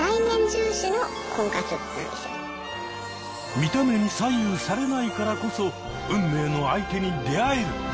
見た目に左右されないからこそ運命の相手に出会える！